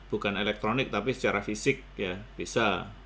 bukan elektronik tapi secara fisik ya bisa